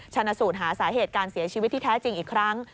ชนะสูตรหาสาเหตุการเสียชีวิตที่แท้จริงอีกครั้ง